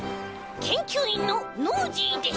けんきゅういんのノージーです。